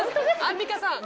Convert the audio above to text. アンミカさん。